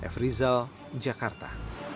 f rizal jakarta